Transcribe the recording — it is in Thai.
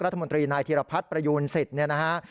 รัฐมนตรีนายธีรพัฒน์ประยูนสิทธิ์เนี่ยนะฮะ